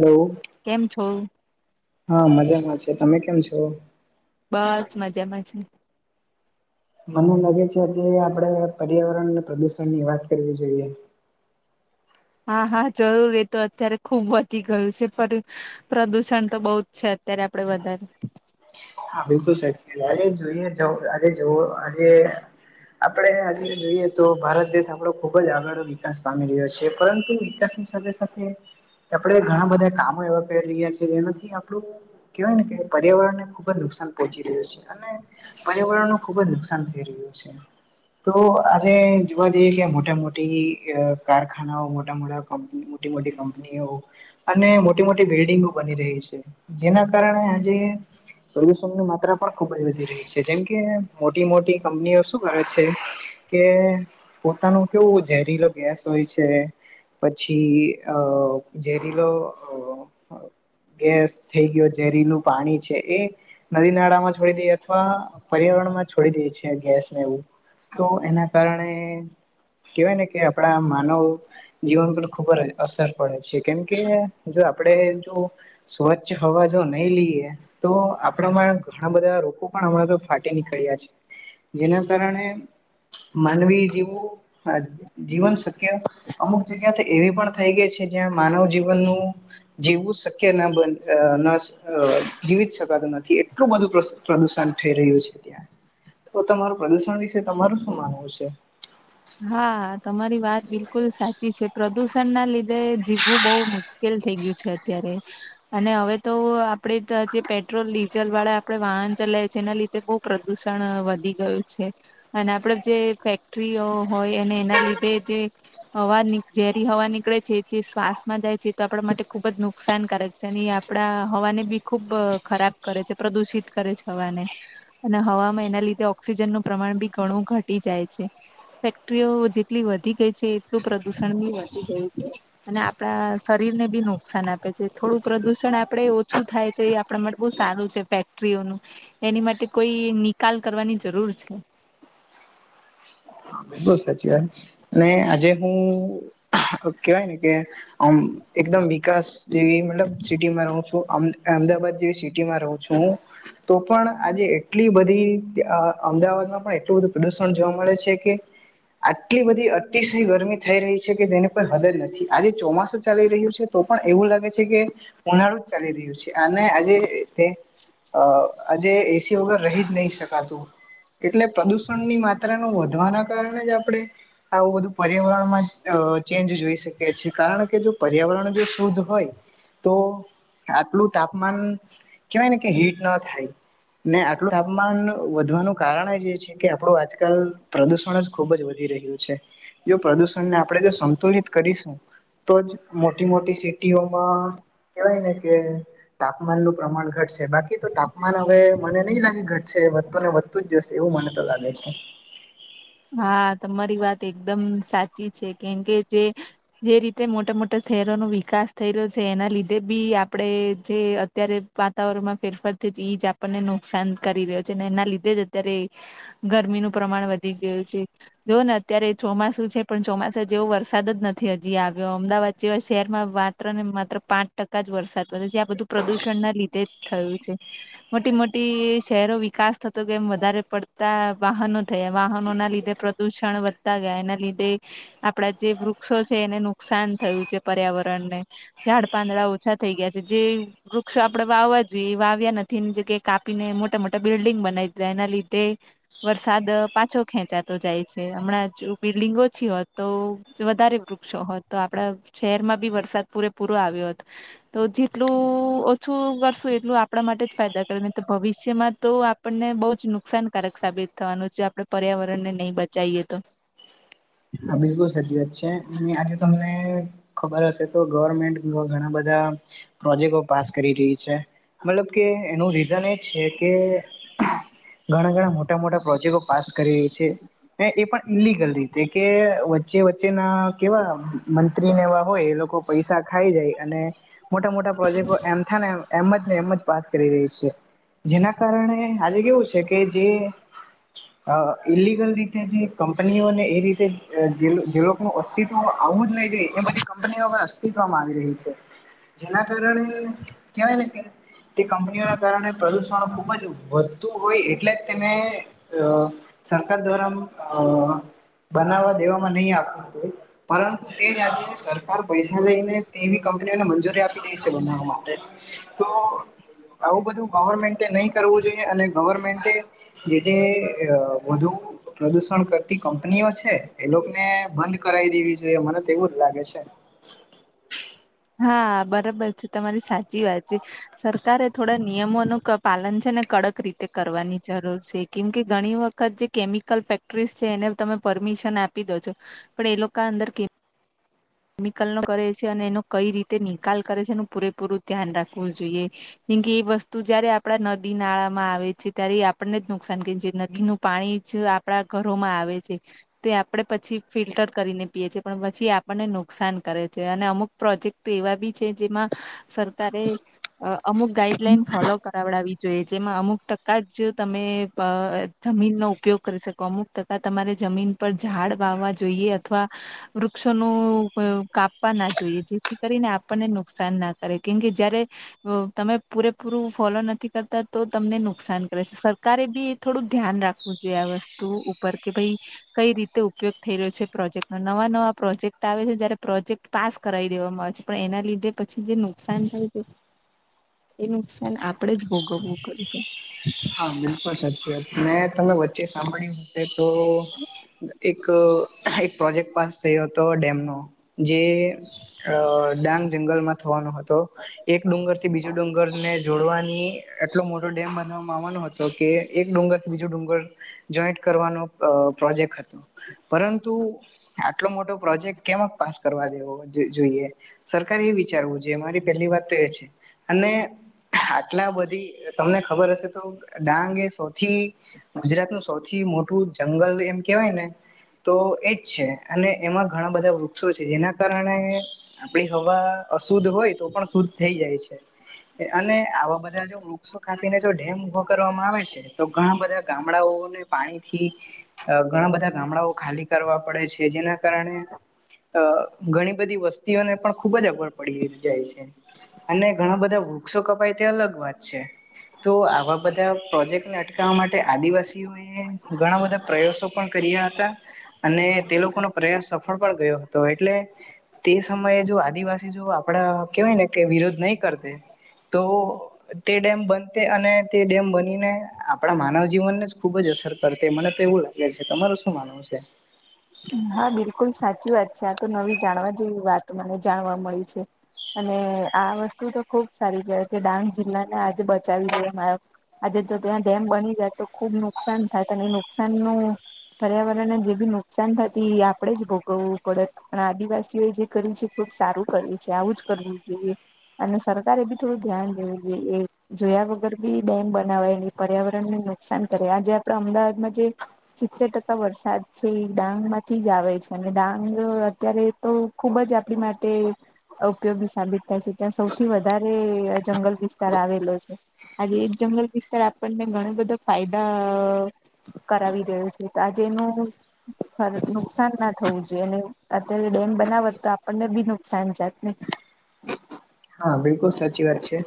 Hello કેમ છો હા મજામાં છે તમે કેમ છો બસ મજામાં છે મને લાગે છે આજ આપડે પર્યાવરણને પ્રદુષણ ની વાત કરવી જોઈએ હા હા જરૂર એ તો અત્યારે ખુબ વધી ગયું છે પણ પ્રદુષણ તો બહુ જ છે અત્યારે આપડે વધારે હા બિલકુલ સાચી વા આજ જોઈએ જ આજે જવ આજે આપણે આજે જોઈએ તો ભારત દેશ આપણો ખુબ જ આગળ વિકાસ પામી રહ્યો છે પરંતુ વિકાસ સાથે સાથે આપણે ઘણા બધા કામો એવા કરી રહ્યા છીએ જેનાથી આપડું કેવાય ને કે પર્યાવરણ નેબ ખબ જ નુકસાન પહોંચી રહ્યું છે અને પર્યાવરણ ન ખુબ જ નુકસાન થઈ રહ્યું છે તો આજે જોવા જઈએ કે મોટા મોટી કારખાનાઓ મોટા મોટા કંપનીઓ મોટી મોટી કંપનીઓ અને મોટી મોટી બિલ્ડિંગો બની રહી છે જેના કારણે આજે પ્રદુષણ ની માત્રા પણ ખુબ જ વધી રહી છે જેમકે મોટી મોટી કંપનીઓ શું કરે છે કે પોતાનું કેવું ઝેરીલો ગેસ હોય છે પછી અ ઝેરીલો ગેસ થઈ ગયો ઝેરી લુ પાણી છે એ નદી નાળામાં છોડી દઈએ અથવા પર્યાવરણ માં છોડી દે છી ગેસ ને એવું તો એના કારણે કેહેવાય ને કે આપડા માનવ જીવન પર ખબર અસર પડે છે કેમકે જો આપડે જો સ્વચ્છ હવા જો નહી લઈએ તો આપણા ઘણા બધા રોગ પણ હમણાં તો ફાટી નીકળ્યા છે જેના કારણે માનવી જેીવું જીવન શક્ય અમુક જગ્યા એવી પણ થઈ ગઈ છે જ્યાં માનવ જીવનનું જીવું શક્ય ના બન ના જીવી જ શકાતું નથી થી એટલું બધું પ્રદુષણ થઈ રહ્યું છે ત્યાં તો તમારું પ્રદુષણ વિશે તમારું શું માનવું છે હા તમારી વાત બિલકુલ સાચી છે પ્રદૂષણ ના લીધે જીવવું બહુ મુશ્કેલ થઈ ગયું છે અત્યારે અને હવે તો આપણેે જે પેટ્રોલ ડીઝલ વાળા આપડે વાહન ચલાય છે એના લીધે બ પ્રદુષણ વધી ગયું છે અને આપડે જે ફેક્ટરીઓ હોય અને એના લીધે જે હવા ઝેરી હવા નીકળે છે જે શ્વાસમાં જાય છે તો આપણા માટે ખુબ જ નુકસાનકારક જેની આપડા હવાને બી ખુબ ખરાબ કરે છે પ્રદુષિત કરે છે હવાને અને હવામાં એના લીધે ઓક્સિજન નું પ્રમાણ બી ઘણું ઘટી જાય છે ક્રીઓ જેટલી વધી ગઈ છે એટલું પ્રદુષણ બી વધી ગયું છે અને આપડા શરીરને બી નુકસાન આપે છે થોડું પ્રદુષણ આપણે ઓછું થાય તો એ આપણા માટે બહુ સારું છે ફેક્ટરીઓનું એની માટે કોઈ નિકાલ કરવાની જરૂર છે બિલકુલ સાચી વાત આજે હું કેવાય ને કે અમ એકદમ વિકાસ જેવી મતલબ સિટીમાં રહું છું અમદાવાાદ જેવી સિટીમાં રહ છું હું તો પણ આજે એટલી બધી અમદાવાદમાં પણ એટલું બધું પ્રદુષણ જોવા મળે છે કે આટલી બધી અતિશય ગરમી થઈ રહી છે કે જેને કોઈ હદર નથી આજે ચોમાસું ચાલી રહ્યું છે તો પણ એવું લાગે છે કે ઉનાળું જ ચાલી રહ્યું છે અને આજે તે આજે એસી વગર રહી જ નહી શકાતું એટલે પ્રદુષણ ની માત્રા ન વધવાના કારણ જ આપણે આવું બધું પર્યાવરણમાં ચેન્જ જોઈ શકે છે કારણ કે જો પર્યાવરણ જો શુદ્ધ હોય તો આટલું તાપમાન કહેવાય ને કે હીટ ના થાય ને આટલું તાપમાન વધવાનું કારણ જ એ છે કે આપડું આજકાલ પ્રદુષણ ખુબ જ વધી રહ્યું છે પ્રદુષણને આપણે જો સંતુલિત કરીશું તો જ મોટી મોટી સિટીઓમાં કવાય ને કે તાપમાન નું પ્રમાણ ઘટ... બાકી તો તાપમાન હવે મને નહી લાગે ઘટશે વધતું ને વધતું જ જશે એવું મને તો લાગે છે. હા તમારી વાત એકદમ સાચી છે કેમ કે જે... જે રીતે મોટા મોટા શહેરોનો વિકાસ થઈ રહ્યો છે. એના લીધે બી આપડે જે અત્યારે... વાતાવરણમાં ફેરફારથી જ ઈ જાપણને નુકસાન કરી રહ્યો છે અને એના લીધે જ અત્યારે... ગરમીનું પ્રમાણ વધી ગયું છે. જો ને અત્યારે ચોમાસું છે પણ ચોમાસા જેવો વરસાદ જ નથી હજી આવ્યો અમદાવાદ જેવા શહેરમાં વાત.. માત્ર ને માત્ર પાંચ ટકા જ વરસાદ પડ્યો છે જે આ બધું પ્રદુષણ ના લીધે જ થયું છે. મોટી મોટી શહેરો વિકાસ થતો કે એમ વધારે પડતા વાહનો થયા.. વાહનો ના લીધે પ્રદુષણ વધતા ગયા એના લીધે.. આપડા જે વૃક્ષો છે એને નુકસાન થયું છે પર્યાવરણને.. ઝાડ પાંદડા ઓછા થઈ ગયા છે. જે- વૃક્ષો આપણે વાવવા જોઈએ વાવ્યા નથી એની જગ્યાએ કાપીને મોટા મોટા બિલ્ડીિંગ બનાવી દીધા એના લીધે.. વરસાદ. પાછો ખેંચાતો જાય છે હમણાં જો બિલ્ડિંગ ઓછી હોત તો વધારે વૃક્ષો હોત તો આપડા- શહેરમાં બી વરસાદ પૂરેપૂરો આવ્યો હતો. તો જેટલું ઓછું કરશું એટલું આપણા માટે જ ફાયદા કરે હી તો ભવિષ્યમાં તો- આપણને બહુ જ નુકસાનકારક સાબિત થવાનું છે. આપણે -પર્યાવરણ ને નહી બચાઈએ તો હા બિલકુલ સાચ વાત છે અને આજે તમને ખબર હશે તો ગવર્મેન્ટ ઘણા બધા- પ્રોજેક્ટો પાસ કરી રહી છે. મતલબ કે એનું રીઝન એ છે કે ઘણા ઘણા મોટા મોટા પ્રોજેક્ટો પાસ કરી છે એ પણ ઇલિગલ રીતે કે વચ્ચે વચ્ચેના કેવા મંત્રીને એવા હોય એ લોકો પૈસા ખાઈ જાય અને મોટા મોટા પ્રોજેક્ટો એમથ એ એમ જ ને એમ જ પાસ કરી રહી છે જેના કારણે આજે કેવું છે કે જે- હ ઇલિગલ રીતે જે કંપનીઓ ને એ રી જે લોકો ન અસ્તિત્વ આવું જ નહી જોઈ એ બધી કંપની હવે અસ્તિત્વમાં આવી રહી છે. જેના કારણે કહેવાય ને કે તે કંપનીઓના કારણે પ્રદુષણ ખુબ જ વધુ - -હોય એટલે જ તેને સરકાર દ્વારા બનાવવા દેવામાં નહી આવતું હતું પરંતુ તે જ આજે સરકાર પૈસા લઈને- -એવી કંપનીઓને મંજૂરી આપી દે છે બનાવવા માટે તો- આવું બધું ગવર્મેન્ટે નહી કરવું જોઈએ અને ગવર્મેન્ટે- જે તે વધુ પ્રદુષણ કરતી કંપનીઓ છે. એ લોકો ને બંધ કરાવી દેવી જોઈએ મને તો એવું જ લાગે છે. [inaudible] હા બરાબર છે તમારી સાચી વાત છે. સરકારે થોડા નિયમોનું પાલન છે ને કડક રીતે કરવાની જરૂર છે કેમ કે ઘણી વખત ત જે કેમિકલ ફેક્ટરીસ છે એને તમે પરમિશન આપી દો છો પણ એ લોકો અંદર કેમિકલ નો કરે છે અને એનો કઈ રીતે નિકાલ કરે છે એનું પૂરેપૂરું ધ્યાન રાખવું જોઈએ. જેમકે એ વસ્તુ જયારે આપડા નદી નાળા માં આવે છે ત્યારે એ આપણને જ નુકસાન કે નદી ન પાણી જ આપણા ઘરોમાં આવે છે. તે આપડણે પછી ફિલ્ટર કરીને પીએ છીએ પણ પછી ને નુકસાન કરે છે અને અમુક પ્રોજેક્ટ એવા બી છે જેમાં સરકારે અ અમુક ગાઈડલાઈન ફોલો કરાવડાવવી જોઈએ જેમાં અમુક ટકા જ જે તમે અ જમીનનો ઉપયોગ કરી શકો અમુક ટકા તમારે જમીન પર ઝાડ વાવવા જોઈએ અથવા વૃક્ષ ન કાપવા ના જોઈએ જેથી કરીને આપણને નુકસાન ના કરે કેમકે જયારે તમે પૂરેપૂરું ફોલો નથી કરતા તો તમને નુકસાન કરે છે સરકારે બી થોડું ધ્યાન રાખ જોઈ આ વસ્તુ ઉપર કે ભાઈ કઈ રીતે ઉપયોગ થઈ રહ્યો છે પ્રોજેક્ટ ન નવા નવા પ્રોજેક્ટ આવે છે જ્યારે પ્રોજેક્ટ પાસ કરાવી દેવામાં આવે છે પણ એના લીધે પછી જે નુકસાન થાય છે. એ નુકસાન આપડે જ ભોગવવું પે છે હા બિલકુલ સાચી વાત મેં તમે વચ્ચે સાંભળ્યું હ તો એક એક પ્રોજેક્ટ પાસ થયો હતો ડેમનો જે અ ડાંગ જંગલમાં થવાનો હતો એક ડુંગર થી બીજો ડુંગર ને જોડવાની એટલો મોટો ડેમ બના મા કે એક ડુંગરથી બીજું ડુંગર જોઈન્ટ કરવાનો અ પ્રોજેક્ટ હતો પરંતુ આટલો મોટો પ્રોજેક્ટ કેમ પાસ કરવા દેવો જોઈએ. સરકાર એ વિચારવું જો મારી પહેલી વાત તો એ છે. અને આટલા બધી તમને ખબર હશે. તો ડાંગ એ સૌથી ગુજરાત નું સૌથી મોટું જંગલ એમ કેહેવાય ને તો એજ છે અને એમાં ઘણા બધા વૃક્ષો છે જેના કારણે આપડી હવા અશુદ્ધ હોય તો પણ શુદ્ધ થઈ જાય છે અને આવા બધા જો વૃક્ષો કાપીને જો ડેમ ઉભો કરવામાં આવે છે તો ઘણા બધા ગામડાઓને પાણીથી ઘણા બધા ગામડાઓ ખાલી કરવા પડે છે જેના કારણે અ ઘણી બધી વસ્તીઓને પણ ખુબ જ અગવડ પડી જાય છે અને ઘણા બધા વૃક્ષો કપાય તે અલગ વાત છે તો આવા બધા પ્રોજેક્ટને અટકાવવા માટે આદિવાસીઓ એ ઘણા બધા પ્રયાસો પણ કર્યા હતા અને તે લોકોનો પ્રયાસ સફળ પણ ગયો હતો એટલે તે સમયે જો આદિવાસી જો આપડા કેવાય ને કે વિરોધ નહીં કરતા તો તે ડેમ બનતે અને તે ડેમ બનીને આપણા માનવ જીવનને જ ખુબ જ અસર કરતી મને તો એવું લાગે છે તમાર શું માનું? છે. હા બિલકુલ સાચી વાત છે આ તો નવી જાણવા જેવી વાત મને જાણવા મળી છે. અને આ વસ્તુ તો ખુબ સારી કેવાય ડાંગ જિલ્લા ને આજે બચાવી દઈએ મારો આજે જો ત્યાં ડેમ બની જાય તો ખુબ નુકસાન થાય એ નુકસાન નું પર્યાવરણને જે બી નુકસાન થતી એ આપણેે જ ભોગવવું પડત પણ આદિવાસીઓ એ જે કયુ છે ખુબ સારું કર્યું છે આવું જ કરવું જોઈએ અને સરકારે એ બી થોડું ધ્યાન દેવું જોઈએ જોયા વગર બી ડેમ બનાવાય નહી પર્યાવરણને નુકસાન કરે આજે આપડે અમદાવાદમાં જે સિત્તેર ટકા વરસાદ છે. તે ડાંગ માંથી જ આવે છે અને ડાંગ અત્યારે તો ખુબ જ આપણી માટે ઉપયોગી સાબિત થાય છે ત્યાં સૌથી વધારે જંગલ વિસ્તાર આવેલો છે. આજે એ જંગલ વિસ્તાર આપણને ઘણો બધો ફાયદા કરાવી રહું છે તો આજેનું નુકસાન ના થવું જોઈએ અને અત્યારે ડેમ બનાવત તો આપણને બી નુકસાન જાત ને. હા બિલકુલ સાચી વાત છે.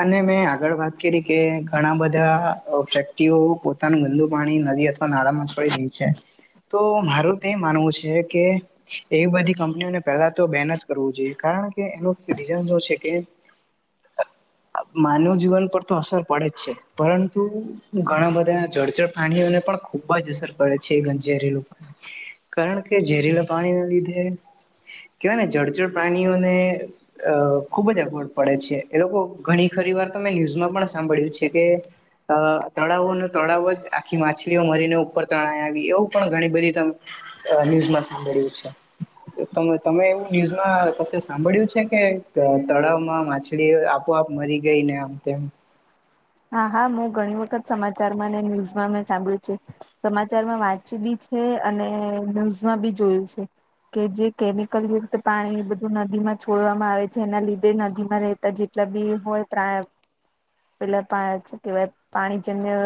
અને મેં આગળ વાત કરી કે ઘણા વ્યક્તિઓ પોતાનું ગંદુ પાણી નદી અથવા નાળામાં છોડી દહી છે તો મારું તે માનવું છે કે એવી બધી કંપનીઓને પહેલા તો બેન જ કરવું જોઈએ કારણ કે એનું રીઝન છે. ઓ કે [inaudible] માનવ જીવન પર તો અસર પડે જ છે પરંતુ ઘણા બધા જળચર પ્રાણીઓને પણ ખૂબ જ અસર પડે છે ઝેરીલું પા કારણ કે ઝેરીલ પાણી ના લીધે કેવાય ને જળચર પ્રાણીઓને અ ખુબ જ અગવડ પડે છે એ લોકો ઘણી ખરી વાર તમે ન્યૂઝમાં પણ સાંભળ્યું છે કે અ તળાવો ન તળાવ જ આખી માછલીઓ મરીને ઉપર તણાય આવી એવું પણ ઘણી બધી તમે અ ન્યૂઝમાં સાંભળીયું છે. તમે એવું ન્યુઝમાં કશે સાંભળ્યું છે કે તો તળાવમાં માછલી આપોઆપ મરી ગઈ ને આમ તેમ. હા હા હું ઘણી વખત સમાચારમાં ન્યૂઝમાં મે સાંભળ્યું છે. સમાચારમાં વાંચ્યું બી છે અને ન્યૂઝમાં બી જોયું છે. કે જે કેમિકલ યુક્ત પાણી એ બધું નદીમાં છોડવામાં આવે છે એના લીધે નદીમાં રહેતા જે જેટલા બી હોય પ્રાય પેલા શું કેવાય પાણી જેમ્ય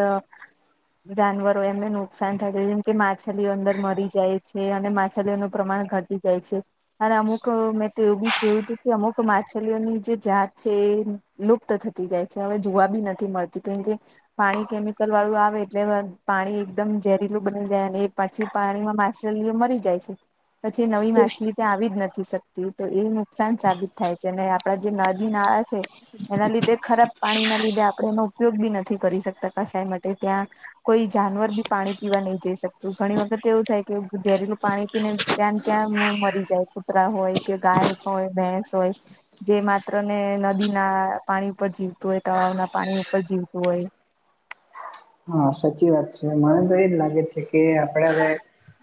જાનવરો એમને નુકસાન થાય છે જેમ કે માછલીઓ અંદર મરી જાય છે અને માછલીઓનું પ્રમાણ ઘટ જાય છે. અને અમુક મેં તો એવું બી જોયું હતું કે અમુક માછલીઓની જે જાત છે એ લુપ્ત થતી જાય છે હવે જોવા બી નથી મળતી કેમ કે પાણી કેમિકલ વાળું આવે એટલે પાણી એકદમ ઝેરીલું બની જાય અને એ પાછી પાણીમાં માછલીલીઓ મરી જાય છે પછી નવી માછલી ત્યાં આવી જ નથી શકતી તો એ નુકસાન સાબિત થાય છે અને આપડા જે નદી નાળા છે. એના લીધે ખરાબ પાણી ના લીધે આપણે એનો ઉપયોગ બી નથી કરી શકતા કશાય માટે ત્યાં કોઈ જાનવર બી પાણી પીવા નહી જઈ શકતું ઘણી વખત એવું થાય કે ઝેરીલું પાણી ને ત્યાને ત્યાને મરી જાય કૂતરા હોય કે ગાય હોય ભેસ હોય. જે માત્ર ને નદી ના પાણી ઉપર જીવતું હોય તળાવ ના પાણી ઉપર જીવતું હોય. હા સાચી વાત છે મને તો એજ લાગે છે કે આપડ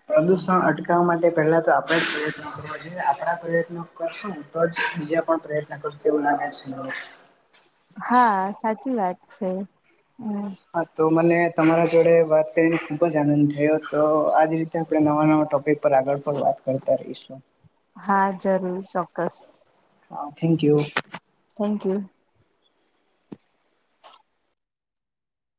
પ્રદુષણ અટકાવવા માટે પહેલા તો આપણે જ પ્રયત્નો કરો જોઈએ આપણા પ્રયત્નો કરશું તો જ બીજા પણ પ્રયત્ન કરશ એવું લાગે છે. હા સાચી વાત છે હમ. હા તો મને તમારા જોડે વાત કરીને ખુબ જ આનંદ થયો તો આવી રીતે આપણે નવા નવા ટોપિક પર આગળ પણ વાત કરતા રહીશું હા જરૂર ચોક્કસ હા થેન્ક યુ થેન્ક યુ.